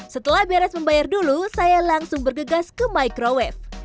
setelah beres membayar dulu saya langsung bergegas ke microwave